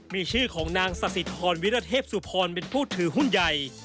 มีชื่อของนางสสิทรวิรเทพสุพรเป็นผู้ถือหุ้นใหญ่